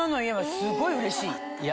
今すごいうれしい。